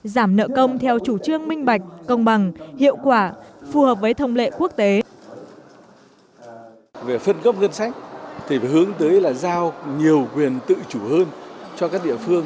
giảm nợ công theo chủ trương minh bạch công bằng hiệu quả phù hợp với thông lệ quốc tế